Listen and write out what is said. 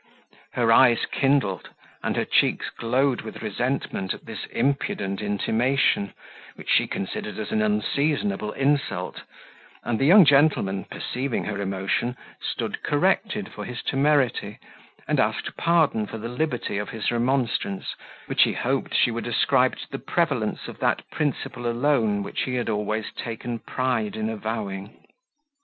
Her eyes kindled, and her cheeks glowed with resentment at this impudent intimation, which she considered as an unseasonable insult, and the young gentleman, perceiving her emotion, stood corrected for his temerity, and asked pardon for the liberty of his remonstrance, which he hoped she would ascribe to the prevalence of that principle alone, which he had always taken pride in avowing.